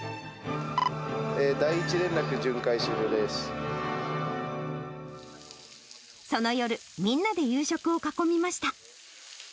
第１連絡、その夜、みんなで夕食を囲みました。